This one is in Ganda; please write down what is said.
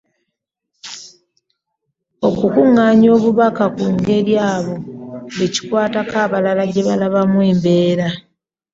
Okukunaanya obubaka ku ngeri abo bekikwatako abalala gyebalabamu embeera.